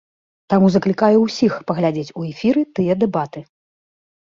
Таму заклікаю ўсіх паглядзець у эфіры тыя дэбаты!